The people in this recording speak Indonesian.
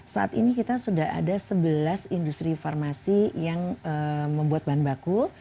saat ini kita sudah ada sebelas industri farmasi yang membuat bahan baku